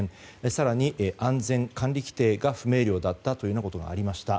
更に安全管理規程が不明瞭だったということがありました。